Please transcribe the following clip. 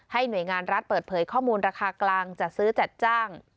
หน่วยงานรัฐเปิดเผยข้อมูลราคากลางจัดซื้อจัดจ้าง